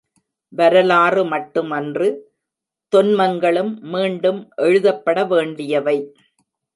வரலாறு மட்டுமன்று, தொன்மங்களும் மீண்டும் எழுதப்பட வேண்டியவை.